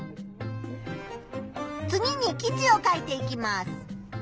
次に記事を書いていきます。